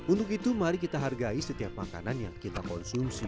untuk itu mari kita hargai setiap makanan yang kita konsumsi